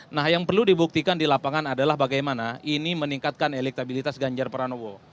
nah yang perlu dibuktikan di lapangan adalah bagaimana ini meningkatkan elektabilitas ganjar pranowo